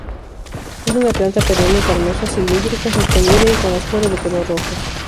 Es una planta perenne carnosa, cilíndrica-suspendida y con las flores de color rojo.